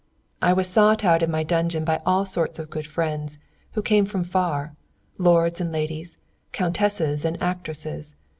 I was sought out in my dungeon by all sorts of good friends, who came from far lords and ladies, countesses and actresses.